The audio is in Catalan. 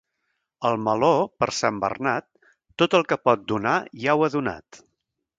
El meló, per Sant Bernat, tot el que pot donar, ja ho ha donat.